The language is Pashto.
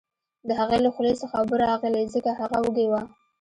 د هغې له خولې څخه اوبه راغلې ځکه هغه وږې وه